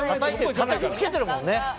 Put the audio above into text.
たたきつけてるもんね。